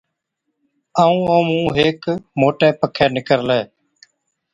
ائُون اومهُون هيڪ موٽَي پکِي نِڪرلي۔